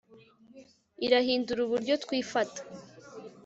irahindura uburyo twifata